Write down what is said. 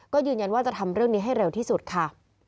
ก็ยืนยันว่าจะทำเรื่องนี้ให้เร็วที่สุดค่ะ